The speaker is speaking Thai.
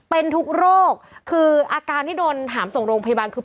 เป็นทุกโรคคืออาการที่โดนหามส่งโรงพยาบาลคือ